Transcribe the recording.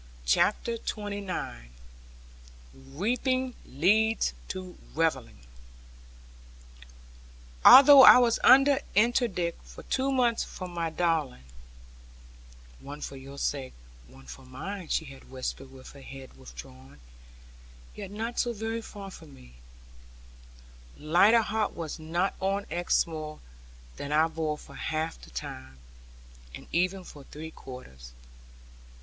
CHAPTER XXIX REAPING LEADS TO REVELLING Although I was under interdict for two months from my darling 'one for your sake, one for mine,' she had whispered, with her head withdrawn, yet not so very far from me lighter heart was not on Exmoor than I bore for half the time, and even for three quarters.